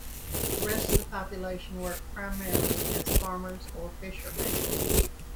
The rest of the population work primarily as farmers or fishermen.